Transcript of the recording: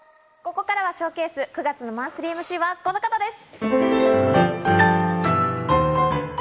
ここからはＳＨＯＷＣＡＳＥ、９月のマンスリーＭＣはこの方です。